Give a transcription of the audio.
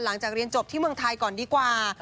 หลังจากเรียนจบที่เมืองไทยก่อนดีกว่า